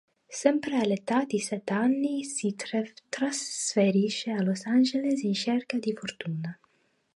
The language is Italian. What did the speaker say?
Sempre all'età di sette anni si trasferisce a Los Angeles in cerca di fortuna.